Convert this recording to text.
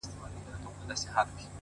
• موږه سپارلي دي د ښكلو ولېمو ته زړونه ـ